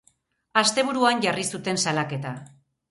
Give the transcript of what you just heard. Asteburuan jarri zuten salaketa.